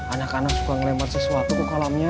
anak anak suka ngelembat sesuatu kok kolamnya